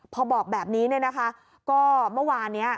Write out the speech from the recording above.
พอบอกแบบนี้เนี่ยนะคะ